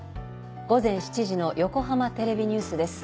午前７時の横浜テレビニュースです。